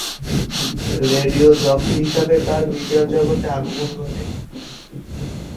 Radio jockey হিসেবে তার media জগতে আগমন ঘটে।